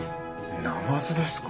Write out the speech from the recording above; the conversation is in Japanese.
ナマズですか？